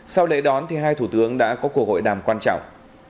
sau lễ đón hai thủ tướng đã có cuộc hội đàm quan trọng